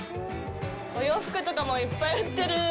お洋服とかもいっぱい売ってる。